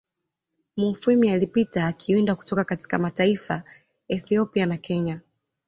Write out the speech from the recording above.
Mufwimi alipita akiwinda kutoka katika mataifa Ethiopia na Kenya